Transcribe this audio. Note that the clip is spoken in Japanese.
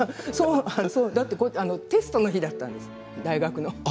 だって、テストの日だったんです、大学の。